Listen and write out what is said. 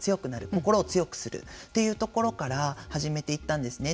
心を強くするというところから始めていったんですね。